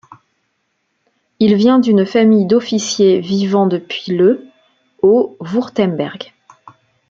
Il vient d'une famille d'officiers vivant depuis le au Wurtemberg.